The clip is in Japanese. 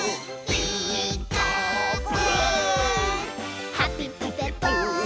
「ピーカーブ！」